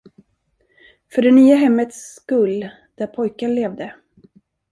För det nya hemmets skull, där pojken levde.